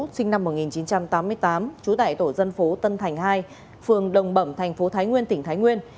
sinh năm một nghìn chín trăm tám mươi tám trú tại tổ dân phố tân thành hai phường đồng bẩm thành phố thái nguyên tỉnh thái nguyên